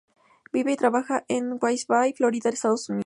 Vive y trabaja en Gainesville, Florida, Estados Unidos.